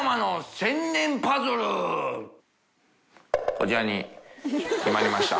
こちらに決まりました。